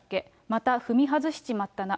また踏み外しちまったな。